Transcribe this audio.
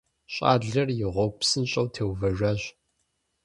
ЩӀалэр и гъуэгу псынщӀэу теувэжащ.